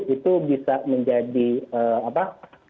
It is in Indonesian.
itu bisa menjadi apa